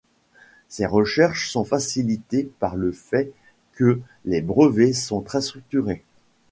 Ces recherches sont facilitées par le fait que les brevets sont très structurés.